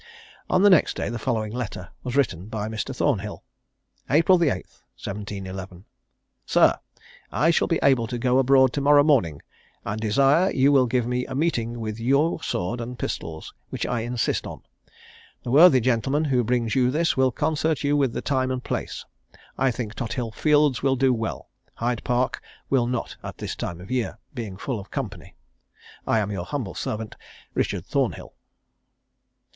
On the next day, the following letter was written by Mr. Thornhill: "April 8th, 1711. "Sir, I shall be able to go abroad to morrow morning, and desire you will give me a meeting with your sword and pistols, which I insist on. The worthy gentleman who brings you this will concert with you the time and place. I think Tothill Fields will do well; Hyde Park will not at this time of year, being full of company. "I am your humble servant, "RICHARD THORNHILL."